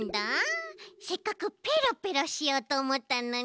せっかくペロペロしようとおもったのに。